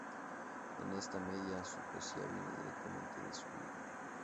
En esta medida, su poesía viene directamente de su vida.